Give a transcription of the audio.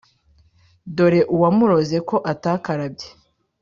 Dore uwamuroze ko atakarabye